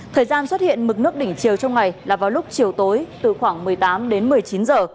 thời gian xuất hiện mực nước đỉnh chiều trong ngày là vào lúc chiều tối từ khoảng một mươi tám đến một mươi chín giờ